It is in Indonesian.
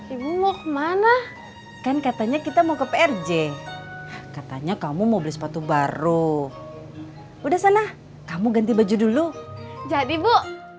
ibu mau kemana kan katanya kita mau ke prj katanya kamu mau beli sepatu baru udah sana kamu ganti baju dulu jadi bu